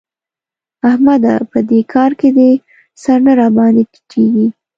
احمده! په دې کار کې دي سر نه راباندې ټيټېږي.